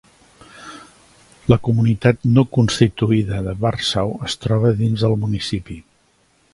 La comunitat no constituïda de Warsaw es troba dins del municipi.